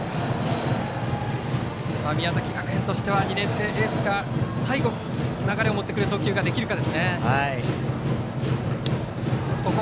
宮崎学園としては２年生エースが最後、流れを持ってくる投球ができるか。